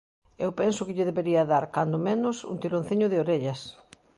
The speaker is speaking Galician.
Eu penso que lle debería dar, cando menos, un tironciño de orellas.